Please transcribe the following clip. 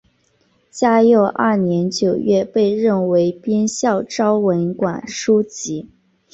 嘉佑二年九月被任为编校昭文馆书籍。